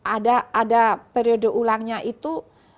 ada periode ulangnya itu